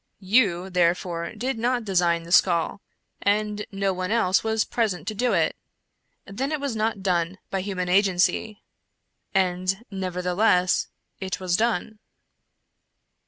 Yon, therefore, did not design the skull, and no one else was present to do it. Then it was not done by human agency. And nevertheless it was done.